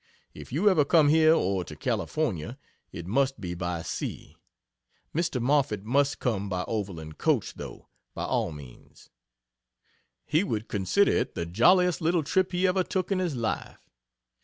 If you ever come here or to California, it must be by sea. Mr. Moffett must come by overland coach, though, by all means. He would consider it the jolliest little trip he ever took in his life.